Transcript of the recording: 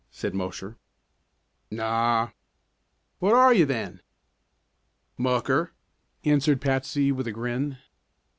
said Mosher. "Naw." "What are you then?" "Mucker," answered Patsy with a grin.